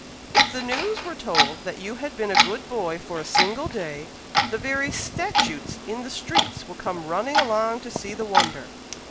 If the news were told that you had been a good boy for a single day, the very statutes in the streets would come running along to see the wonder.